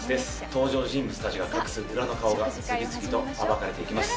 登場人物たちが隠す裏の顔が次々と暴かれていきます。